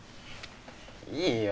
いいよ